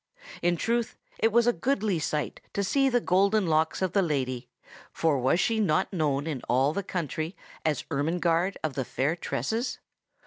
In truth, it was a goodly sight to see the golden locks of the lady (for was she not known in all the country as Ermengarde of the Fair Tresses?)